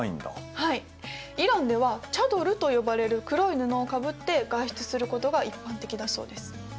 はいイランではチャドルと呼ばれる黒い布をかぶって外出することが一般的だそうです。